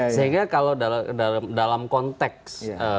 sehingga kalau dalam konteks